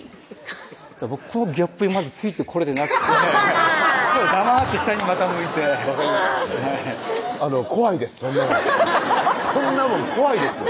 僕このギャップにまずついてこれてなくて黙って下にまた向いて分かります怖いですそんなもんそんなもん怖いですよ